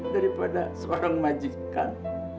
daripada seorang majikan